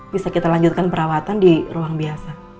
bisa kita lanjutkan perawatan di ruang biasa